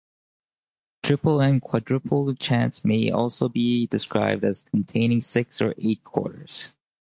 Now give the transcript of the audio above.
Triple and quadruple chants may also be described as containing six or eight quarters.